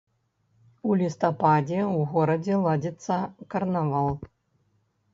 У лістападзе ў горадзе ладзіцца карнавал.